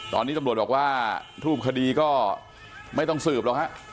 ตอนนี้ตำรวจบอกว่ารูปคดีก็ไม่ต้องสืบหรอกฮะ